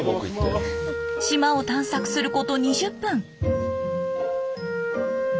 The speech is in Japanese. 島を探索すること２０分。